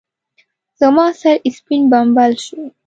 زما سر سپين بمبل شو.